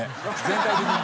全体的に。